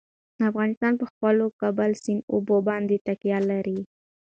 افغانستان په خپلو کابل سیند اوبو باندې تکیه لري.